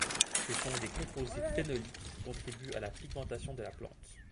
Ce sont des composés phénoliques qui contribuent à la pigmentation de la plante.